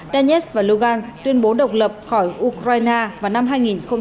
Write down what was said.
donetsk và lugansk tuyên bố độc lập khỏi ukraine vào năm hai nghìn một mươi bốn